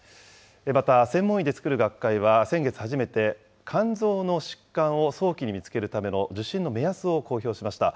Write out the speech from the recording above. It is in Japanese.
また専門医で作る学会は、先月初めて肝臓の疾患を早期に見つけるための受診の目安を公表しました。